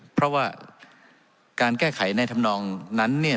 เพราะว่าการแก้ไขในธรรมนองนั้นเนี่ย